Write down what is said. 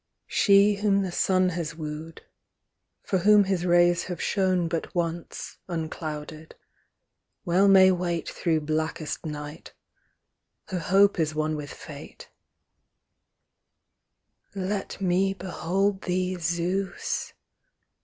She whom the Sun has wooed â for whom his rays Have shone but once, unclouded â well may wait Through blackest night ; her hope is one with fate Let me behold thee, Zeus